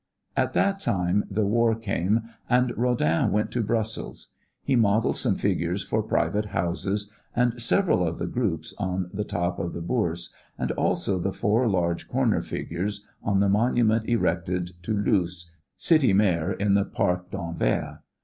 At that time the war came and Rodin went to Brussels. He modeled some figures for private houses and several of the groups on the top of the Bourse, and also the four large corner figures on the monument erected to Loos, City mayor in the Parc d'Anvers.